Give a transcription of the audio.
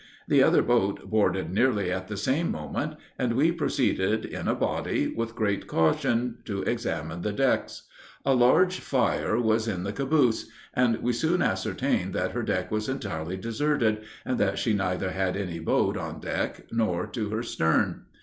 The other boat boarded nearly at the same moment, and we proceeded, in a body, with great caution, to examine the decks. A large fire was in the caboose, and we soon ascertained that her deck was entirely deserted, and that she neither had any boat on deck nor to her stern.